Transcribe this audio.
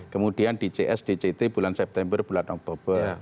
kemudian di cs dct bulan september bulan oktober